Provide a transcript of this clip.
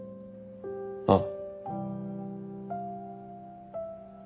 ああ。